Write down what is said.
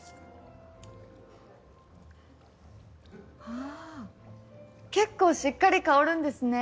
ああ結構しっかり香るんですね。